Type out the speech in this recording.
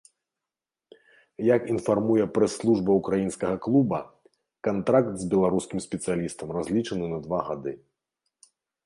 Як інфармуе прэс-служба ўкраінскага клуба, кантракт з беларускім спецыялістам разлічаны на два гады.